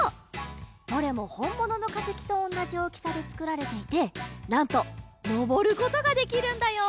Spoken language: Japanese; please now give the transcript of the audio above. どれもほんもののかせきとおんなじおおきさでつくられていてなんとのぼることができるんだよ！